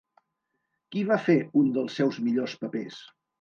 Qui va fer un dels seus millors papers?